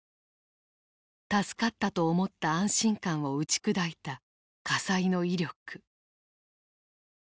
助かったと思った安心感を打ち砕いた火災の威力。